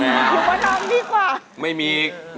อยู่ประดำดีกว่า